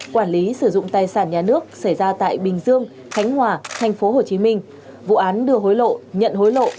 quản lý sử dụng tài sản nhà nước xảy ra tại bình dương khánh hòa tp hcm vụ án đưa hối lộ nhận hối lộ